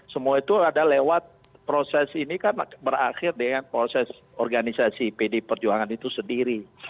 semua itu ada lewat proses ini kan berakhir dengan proses organisasi pd perjuangan itu sendiri